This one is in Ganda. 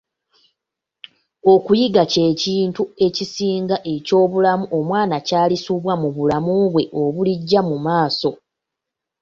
Okuyiga kye kintu ekisinga eky'obulamu omwana kyalisubwa mu bulamu bwe obulijja mu maaso.